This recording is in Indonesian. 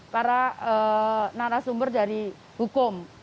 para narasumber dari hukum